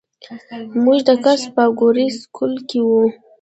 مونږ د کس پاګوړۍ سکول کښې وو